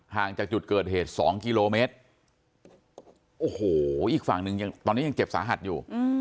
ห่างจากจุดเกิดเหตุ๒กิโลเมตรโอ้โหอีกฝั่งหนึ่งยังตอนนี้ยังเจ็บสาหัสอยู่